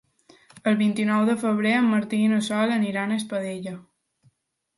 El vint-i-nou de febrer en Martí i na Sol aniran a Espadella.